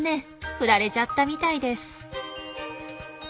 ふられちゃったみたいです。